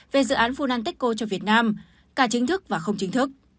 về dự án funanteko cho việt nam cả chính thức và không chính thức